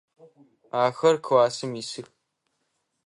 Ахэр классым исых.